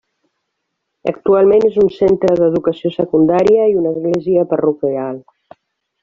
Actualment és un centre d'educació secundària i una església parroquial.